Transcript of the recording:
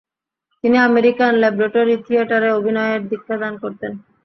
তিনি American laboratory থিয়েটারে অভিনয়ের শিক্ষাদান করতেন।